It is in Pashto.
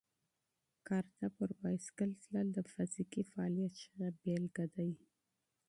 کارته پر بایسکل تلل د فزیکي فعالیت ښه مثال دی.